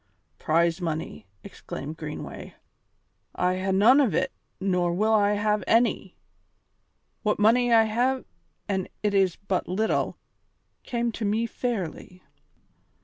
"Prize money!" exclaimed Greenway. "I hae none o' it, nor will I hae any. What money I hae an' it is but little came to me fairly."